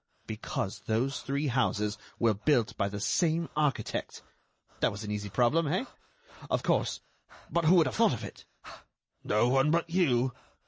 "Because those three houses were built by the same architect. That was an easy problem, eh? Of course ... but who would have thought of it?" "No one but you."